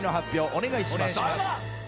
お願いします。